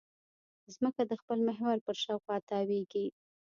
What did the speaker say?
ځمکه د خپل محور په شاوخوا تاوېږي.